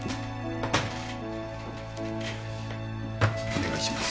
お願いします。